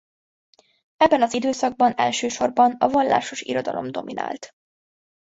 Ebben az időszakban elsősorban a vallásos irodalom dominált.